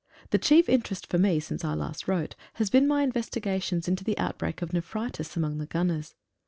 The chief interest for me since I last wrote has been my investigations into the outbreak of nephritis among the gunners.